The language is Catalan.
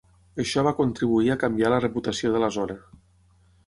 Això va contribuir a canviar la reputació de la zona.